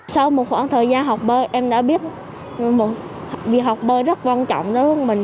sau một khoảng thời gian học bơi em đã biết việc học bơi rất quan trọng cho mình